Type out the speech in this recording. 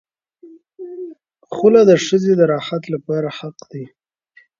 خلع د ښځې د راحت لپاره حق دی.